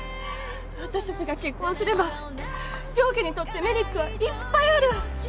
私たちが結婚すれば両家にとってメリットはいっぱいある！